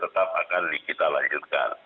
tetap akan dikita lanjutkan